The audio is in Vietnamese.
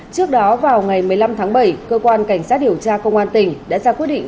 trước đó vào ngày một mươi năm tháng bảy cơ quan cảnh sát điều tra công an tỉnh đã ra quyết định